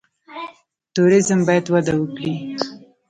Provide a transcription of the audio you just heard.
توریزم باید وده وکړي